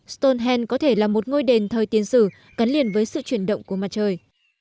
stonehenge có thể là một ngôi đền thời tiến sử cắn liền với sự chuyển động của mặt trời